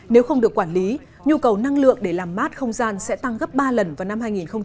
nếu không được quản lý nhu cầu năng lượng để làm mát không gian sẽ tăng gấp ba lần vào năm hai nghìn hai mươi